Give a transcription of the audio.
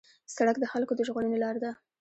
سړک د خلکو د ژغورنې لار ده.